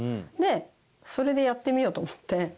それでやってみようと思って。